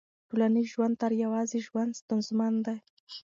ټولنیز ژوند تر يوازي ژوند ستونزمن دی.